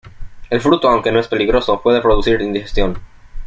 El fruto, aunque no es peligroso, puede producir indigestión.